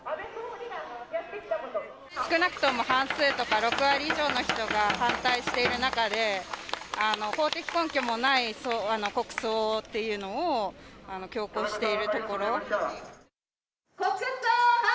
少なくとも半数とか６割以上の人が反対している中で、法的根拠もない国葬っていうのを強行しているところ。